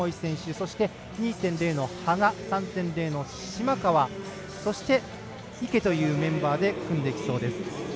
そして、２．０の羽賀３．０の島川そして池というメンバーで組んでいきそうです。